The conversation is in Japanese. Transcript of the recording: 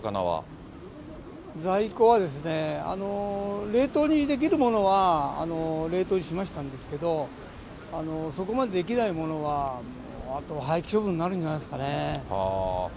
在庫はですね、冷凍にできるものは冷凍にしましたんですけど、そこまでできないものは、もうあと廃棄処分になるんじゃないですかね。